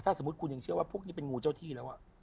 สมมุติคุณยังเชื่อว่าพวกนี้เป็นงูเจ้าที่แล้ว